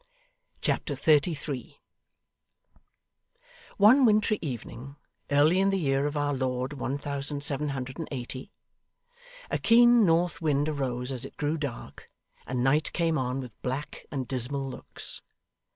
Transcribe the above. Chapter 33 One wintry evening, early in the year of our Lord one thousand seven hundred and eighty, a keen north wind arose as it grew dark, and night came on with black and dismal looks.